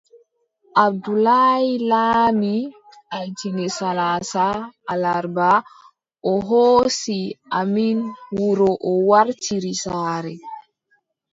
Abdoulaye laami, altine salaasa alarba, o hoosi amin wuro o wartiri saare.